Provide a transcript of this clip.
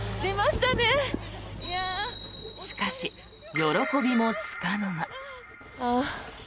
しかし、喜びもつかの間。